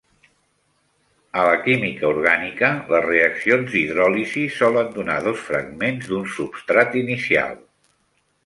En la química orgànica, les reaccions d'hidròlisi solen donar dos fragments d'un substrat inicial.